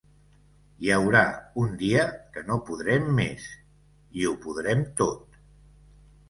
"Hi haurà un dia que no podrem més, i ho podrem tot".